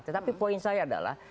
tetapi poin saya adalah